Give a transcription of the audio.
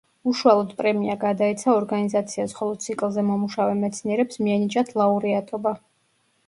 უშუალოდ პრემია გადაეცა ორგანიზაციას, ხოლო ციკლზე მომუშავე მეცნიერებს მიენიჭათ ლაურეატობა.